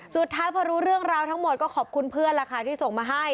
สุดท้ายพอรู้เรื่องราวทั้งหมดก็ขอบคุณเพื่อนล่ะค่ะที่ส่งมาให้